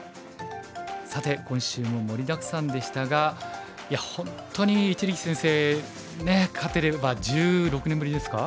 さて今週も盛りだくさんでしたがいや本当に一力先生ね勝てれば１６年ぶりですか？